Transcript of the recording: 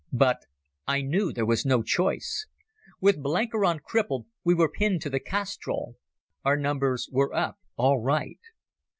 But I knew there was no choice. With Blenkiron crippled we were pinned to the castrol. Our numbers were up all right.